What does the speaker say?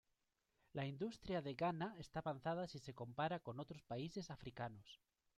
La industria de Ghana está avanzada si se compara con otros países africanos.